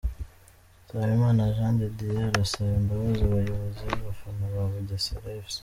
Nsabimana Jean de Dieu arasaba imbabazi abayobozi n'abafana ba Bugesera Fc .